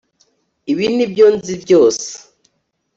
ibi nibyo nzi byose